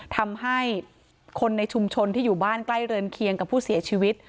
ทำให้คนในชุมชนที่อยู่บ้านใกล้เรือนเคียงกับผู้เสียชีวิต